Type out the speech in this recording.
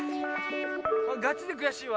ガチでくやしいわ。